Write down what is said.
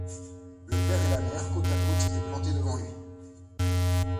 Le père et la mère, côte à côte, s’étaient plantés devant lui.